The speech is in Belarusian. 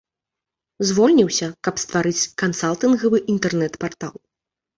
Звольніўся, каб стварыць кансалтынгавы інтэрнэт-партал.